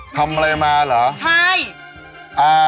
ทำอะไรมาเหรอใช่